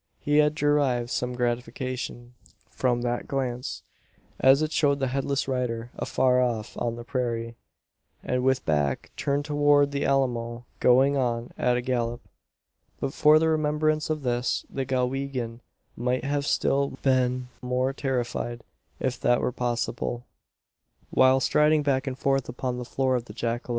He had derived some gratification from that glance; as it showed the headless rider afar off on the prairie, and with back turned toward the Alamo, going on at a gallop. But for the remembrance of this, the Galwegian might have been still more terrified if that were possible while striding back and forth upon the floor of the jacale.